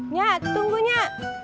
nya tunggu nya